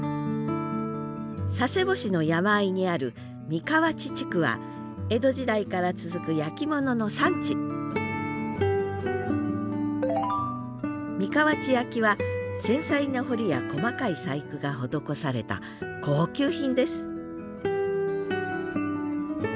佐世保市の山あいにある三川内地区は江戸時代から続く焼き物の産地三川内焼は繊細な彫りや細かい細工が施された高級品です